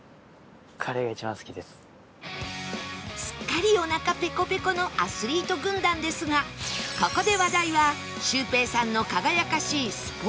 すっかりおなかペコペコのアスリート軍団ですがここで話題はシュウペイさんの輝かしいスポーツ歴について